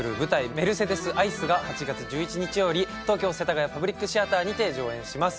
「メルセデス・アイス」が８月１１日より東京世田谷パブリックシアターにて上演します